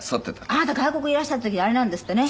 あなた外国へいらした時あれなんですってね